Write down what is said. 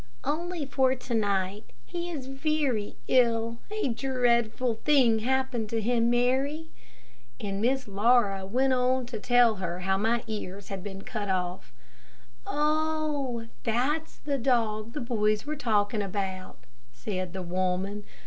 "Only for to night. He is very ill. A dreadful thing happened to him, Mary." And Miss Laura went on to tell her how my ears had been cut off. "Oh, that's the dog the boys were talking about," said the woman.